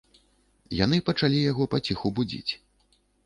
Яны пачалі яго паціху будзіць.